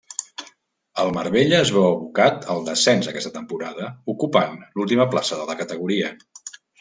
El Marbella es veu abocat al descens aquesta temporada ocupant l'última plaça de la categoria.